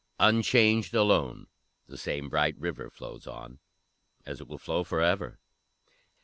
Unchanged, alone, the same bright river Flows on, as it will flow forever!